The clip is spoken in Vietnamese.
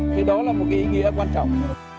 thì đó là một ý nghĩa quan trọng